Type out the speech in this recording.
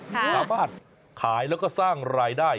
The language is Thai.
สามารถขายแล้วก็สร้างรายได้